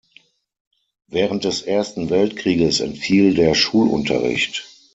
Während des Ersten Weltkrieges entfiel der Schulunterricht.